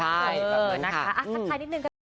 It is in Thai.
ใช่แบบนั้นค่ะ